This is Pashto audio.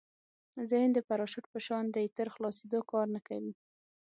ذهن د پراشوټ په شان دی تر خلاصېدو کار نه کوي.